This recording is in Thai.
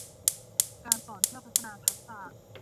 การสอนเพื่อพัฒนาทักษะ